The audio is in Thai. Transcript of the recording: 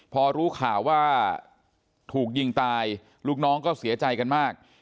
พอรู้ข่าวว่าถูกยิงตายลูกน้องก็เสียใจกันมาก